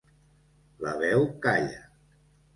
La veu calla.